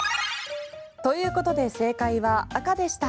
ということで正解は赤でした。